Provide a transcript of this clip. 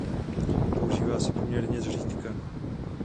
Používá se poměrně zřídka.